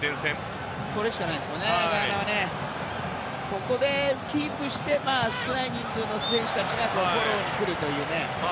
ここでキープして少ない人数の選手がフォローに来るというね。